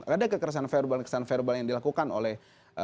ada kekerasan verbal kekerasan verbal yang dilakukan oleh